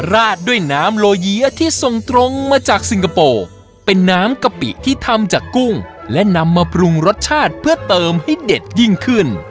ราดด้วยน้ำโลเยียที่ส่งตรงมาจากสิงคโปร์เป็นน้ำกะปิที่ทำจากกุ้งและนำมาปรุงรสชาติเพื่อเติมให้เด็ดยิ่งขึ้น